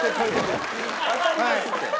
当たりますって。